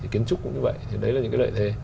kiến trúc cũng như vậy